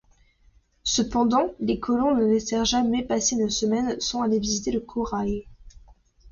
Cependant les colons ne laissèrent jamais passer une semaine sans aller visiter le corral